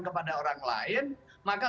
kepada orang lain maka